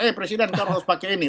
eh presiden kan harus pakai ini